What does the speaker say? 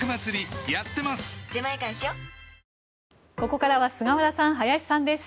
ここからは菅原さん、林さんです。